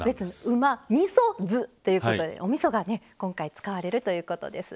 「うま・みそ・酢」ということでおみそがね今回使われるということです。